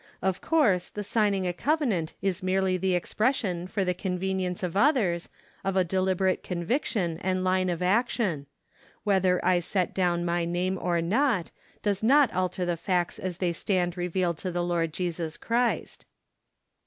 Of course the signing a covenant is merely the expression for the convenience of others, of a deliberate con¬ viction and line of action. Whether I set down my name, or not, does not alter the facts as they stand revealed to the Lord Jesus Christ."